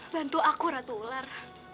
bantu aku ratu ular